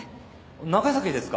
長崎ですか。